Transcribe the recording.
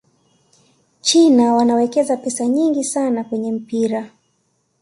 china wanawekeza pesa nyingi sana kwenye mpira